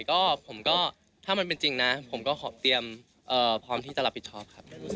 ก็ผมก็ถ้ามันเป็นจริงนะผมก็ขอเตรียมพร้อมที่จะรับผิดชอบครับ